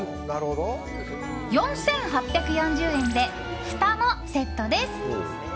４８４０円で、ふたもセットです。